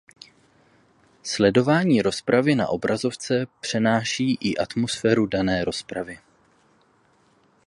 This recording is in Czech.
Sledování rozpravy na obrazovce přenáší i atmosféru dané rozpravy.